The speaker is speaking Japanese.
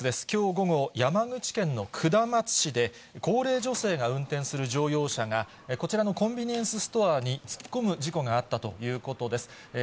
きょう午後、山口県の下松市で、高齢女性が運転する乗用車が、こちらのコンビニエンスストアに突っ込む事故があったということです。